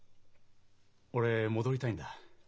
俺戻りたいんだ。